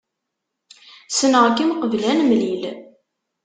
Ssneɣ-kem qbel ad nemlil.